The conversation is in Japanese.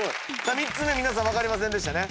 ３つ目分かりませんでしたね。